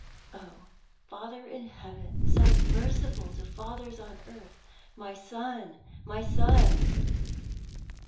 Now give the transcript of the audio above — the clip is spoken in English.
"Oh, Father in heaven, so merciful to fathers on earth my son, my son!"